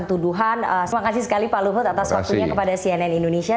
terima kasih sekali pak luhut atas waktunya kepada cnn indonesia